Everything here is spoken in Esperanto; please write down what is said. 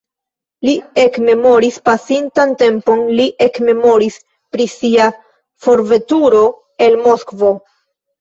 Li ekmemoris pasintan tempon, li ekmemoris pri sia forveturo el Moskvo.